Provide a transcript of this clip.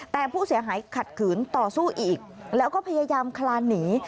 แต่ผู้เสียหายขัดขืนต่อสู้อีกแล้วก็พยายามคลานหนี